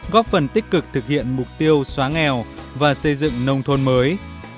góp phần tích cực thực hiện mục tiêu xóa nghèo và xây dựng nông thôn mới